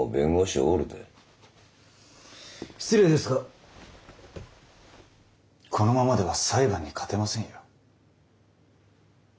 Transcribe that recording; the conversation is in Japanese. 失礼ですがこのままでは裁判に勝てませんよ。